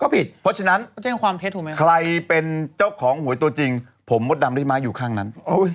เพราะฉะนั้นใครเป็นเจ้าของหวยตัวจริงผมมดดำได้มาอยู่ข้างนั้น